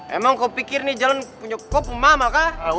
emang kau pikir nih jalan punya kau pemama kak